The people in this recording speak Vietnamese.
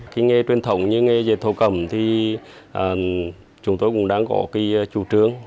cái nghề truyền thống như nghề dệt thổ cẩm thì chúng tôi cũng đang có cái chủ trướng